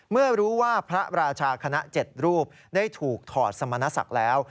เมื่อรู้ว่าพระราชาคณะ๗รูปได้ถูกถอดสมณศักดิ์แล้ว